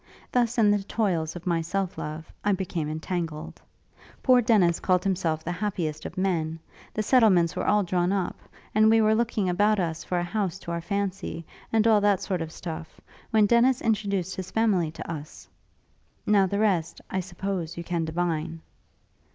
Thus, in the toils of my self love, I became entangled; poor Dennis called himself the happiest of men; the settlements were all drawn up; and we were looking about us for a house to our fancy, and all that sort of stuff, when Dennis introduced his family to us. Now the rest, I suppose, you can divine?'